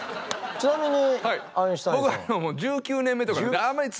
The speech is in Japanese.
ちなみに。